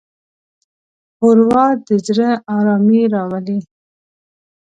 ښوروا د زړه ارامي راولي.